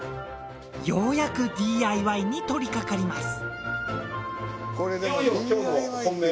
ようやくＤＩＹに取りかかります。